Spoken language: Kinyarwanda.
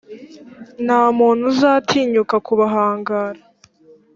nta muntu uzatinyuka kubahangara;